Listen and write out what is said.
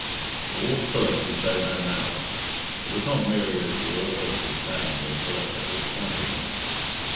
Towards Philip he showed no malice. It was not merely as the author of his shame that Philip had disappointed him.